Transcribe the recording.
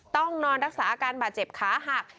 ต้องนอนรักษาอาการบาดเจ็บขาหัก